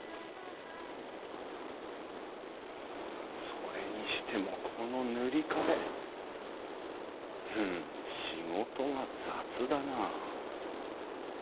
それにしてもこの塗り壁ふん仕事が雑だな。